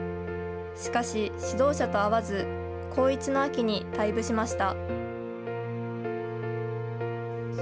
しかし、指導者と合わず、高１の秋に退部しました。